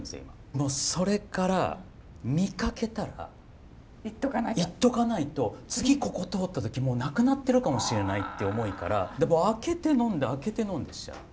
もうそれから見かけたら行っとかないと次ここ通った時もうなくなってるかもしれないって思いから開けて飲んで開けて飲んでしちゃって。